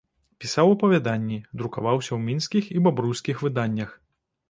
Пісаў апавяданні, друкаваўся ў мінскіх і бабруйскіх выданнях.